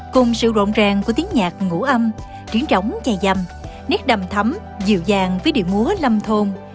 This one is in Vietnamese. cùng sự rộng ràng của tiếng nhạc ngũ âm triển trống chai dâm nét đầm thấm dịu dàng với địa ngũa lâm thôn